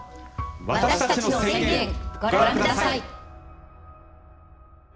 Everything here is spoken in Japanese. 私たちの宣言ご覧ください。